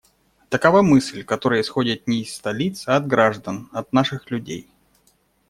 Такова мысль, которая исходит не из столиц, а от граждан, от наших людей.